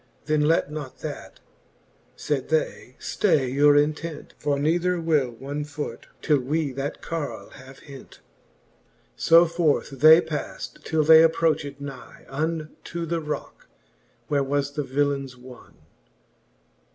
Then let not that, faid they, ftay your intent ; For neither will one foot, till we that carle have hent. VIII. So forth they paft, till they approched ny Unto the rocke, where was the villains won.